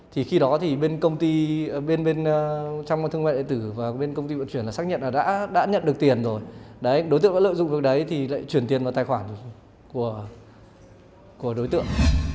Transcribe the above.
trong thương mại đại tử và bên công ty vận chuyển là xác nhận là đã nhận được tiền rồi đấy đối tượng đã lợi dụng được đấy thì lại chuyển tiền vào tài khoản của đối tượng